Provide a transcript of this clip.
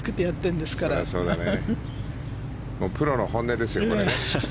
プロの本音ですよ。